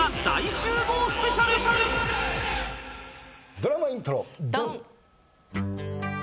ドラマイントロドン！